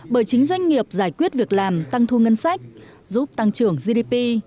bởi chính doanh nghiệp giải quyết việc làm tăng thu ngân sách giúp tăng trưởng gdp